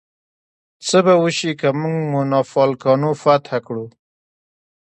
څه به وشي که موږ مونافالکانو فتح کړو؟